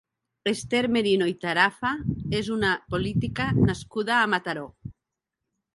Ester Merino i Tarafa és una política nascuda a Mataró.